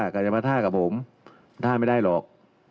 ก็จะมาท่ากับผมท่าไม่ได้หรอก